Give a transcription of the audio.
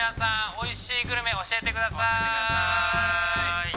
おいしいグルメ教えてくださーい！